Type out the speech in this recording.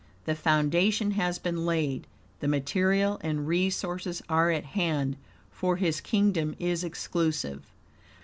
The foundation has been laid, the material and resources are at hand, for his kingdom is exclusive.